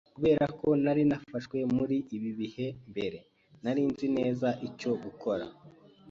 Kubera ko nari narafashwe muri ibyo bihe mbere, nari nzi neza icyo gukora.